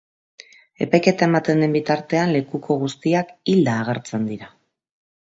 Epaiketa ematen den bitartean, lekuko guztiak hilda agertzen dira.